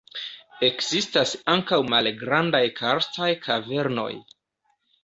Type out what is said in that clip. Ekzistas ankaŭ malgrandaj karstaj kavernoj.